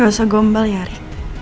gak usah gombal ya ari